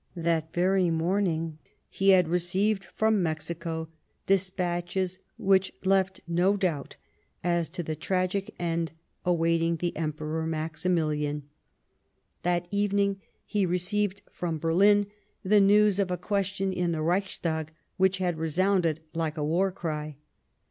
That very morning he had received from Mexico despatches which left no doubt as to the tragic end awaiting the Emperor Maximilian ; that evening he received from Berlin the news of a question in the Reichstag which had resounded like a war cry.